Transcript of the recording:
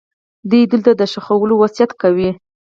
دوی دلته د ښخولو وصیت کوي.